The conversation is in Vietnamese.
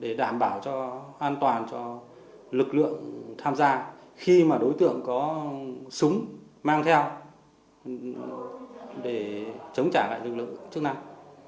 điều này sẽ giúp đỡ an toàn cho lực lượng tham gia khi mà đối tượng có súng mang theo để chống trả lại lực lượng chức năng